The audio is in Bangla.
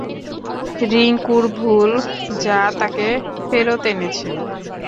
রিংকুর ভুল যা তাকে ফেরত এনেছে।